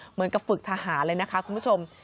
เหมือนกับฝึกทหารเลยนะคะคุณผู้ชม